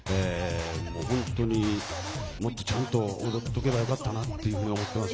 本当に、もっとちゃんと踊っておけばよかったなって思ってます。